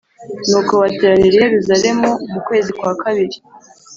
Nuko bateranira i Yerusalemu mu kwezi kwakabiri